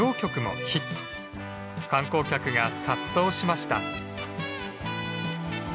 観光客が殺到しました。